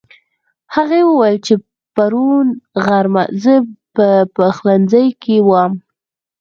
هغې وويل چې پرون غرمه زه په پخلنځي کې وم